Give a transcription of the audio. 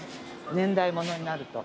年代物になると。